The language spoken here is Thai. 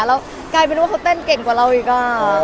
แล้วกลายเป็นว่าเขาเต้นเก่งกว่าเราอีก